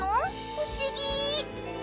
不思議！